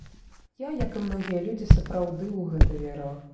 Я, як і многія людзі, сапраўды ў гэта верыла.